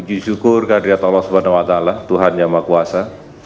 puji syukur kehadirat allah swt tuhan yang maha kuasa